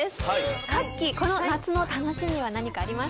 かっきーこの夏の楽しみは何かありますか？